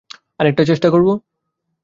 আরেকবার চেষ্টা করবো?